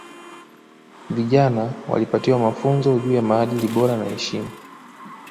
Vijana waliwapatiwa mafunzo juu ya maadili bora na heshima